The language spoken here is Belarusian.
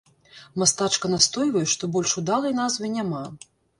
Мастачка настойвае, што больш удалай назвы няма.